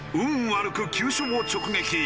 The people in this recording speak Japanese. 悪く急所を直撃。